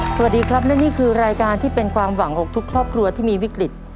สวัสดีครับและนี่คือรายการที่เป็นความหวังของทุกครอบครัวที่มีวิกฤต